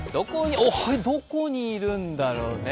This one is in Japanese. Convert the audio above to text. どこにいるんだよね。